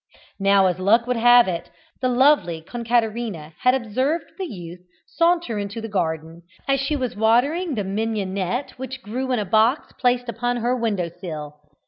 Now, as luck would have it, the lovely Concaterina had observed the youth saunter into the garden, as she was watering the mignonette which grew in a box placed upon her window sill.